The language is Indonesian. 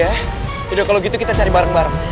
udah kalau gitu kita cari bareng bareng